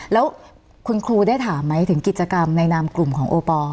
แล้วคุณครูได้ถามไหมถึงกิจกรรมในนามกลุ่มของโอปอล